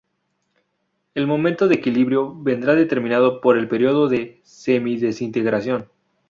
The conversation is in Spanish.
El momento de equilibrio vendrá determinado por el periodo de semidesintegración.